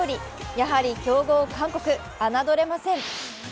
やはり強豪・韓国、侮れません。